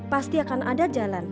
pasti akan ada jalan